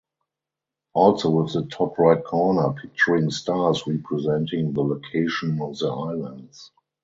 Also with the top right corner picturing stars representing the location of the islands.